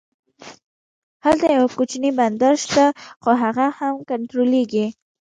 هلته یو کوچنی بندر شته خو هغه هم کنټرولېږي.